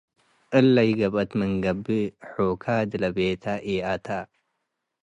እለ ኢገብአት ምንገብእ - ሑካዲ ለቤታ ኢአተ፣